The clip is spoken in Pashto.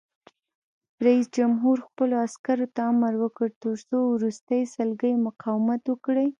رئیس جمهور خپلو عسکرو ته امر وکړ؛ تر وروستۍ سلګۍ مقاومت وکړئ!